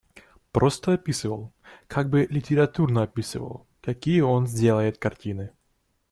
Просто описывал, как бы литературно описывал, какие он сделает картины.